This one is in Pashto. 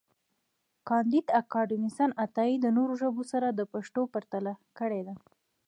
کانديد اکاډميسن عطایي د نورو ژبو سره د پښتو پرتله کړې ده.